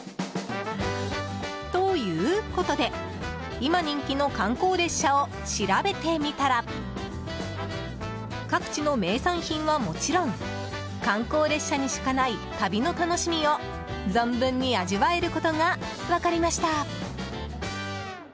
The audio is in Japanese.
ということで、今人気の観光列車を調べてみたら各地の名産品はもちろん観光列車にしかない旅の楽しみを存分に味わえることが分かりました。